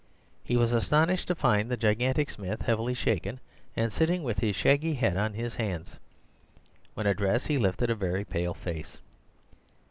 He was astonished to find the gigantic Smith heavily shaken, and sitting with his shaggy head on his hands. When addressed, he lifted a very pale face.